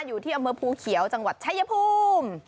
อยู่ที่อำเมภูเขียวจังหวัดใช่เพิ่ม